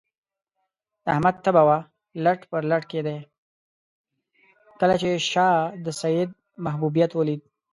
کله چې شاه د سید محبوبیت ولید.